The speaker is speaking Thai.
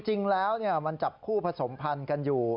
จริงแล้วมันจับคู่ผสมพันธุ์กันอยู่